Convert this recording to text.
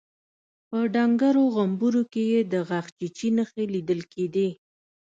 په ډنګرو غومبرو کې يې د غاښچيچي نښې ليدل کېدې.